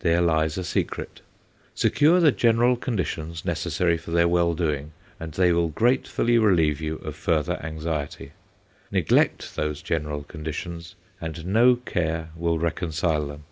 There lies a secret. Secure the general conditions necessary for their well doing, and they will gratefully relieve you of further anxiety; neglect those general conditions, and no care will reconcile them.